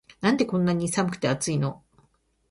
なんでこんなに寒くて熱いの